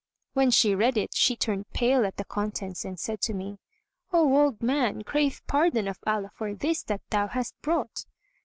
When she read it, she turned pale at the contents and said to me, "O old man, crave pardon of Allah for this that thou hast brought."